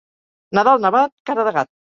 Nadal nevat, cara de gat.